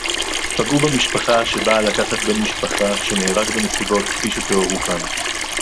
פגעו במשפחה שבאה לקחת בן משפחה שנהרג בנסיבות כפי שתוארו כאן